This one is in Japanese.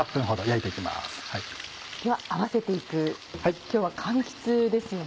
では合わせていく今日は柑橘ですよね。